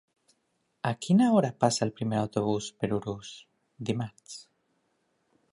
A quina hora passa el primer autobús per Urús dimarts?